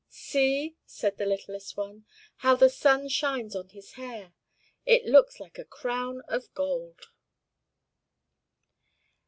"See!" said the littlest one. "How the sun shines on his hair! it looks like a crown of gold."